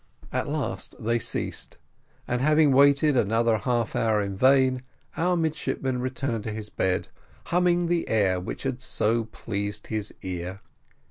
At last they ceased, and having waited another half hour in vain, our midshipman returned to his bed, humming the air which had so pleased his ear.